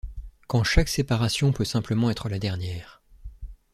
Quand chaque séparation peut simplement être la dernière...